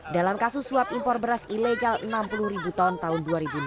dalam kasus suap impor beras ilegal enam puluh ribu ton tahun dua ribu enam belas